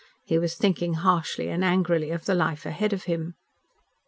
He was thinking harshly and angrily of the life ahead of him.